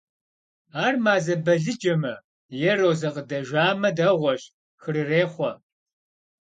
Ар мазэ балыджэмэ е розэ къыдэжамэ – дэгъуэщ, хырырехъуэ.